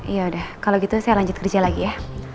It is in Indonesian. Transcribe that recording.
yaudah kalau gitu saya lanjut kerja lagi ya